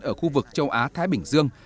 ở khu vực châu á thái bình dương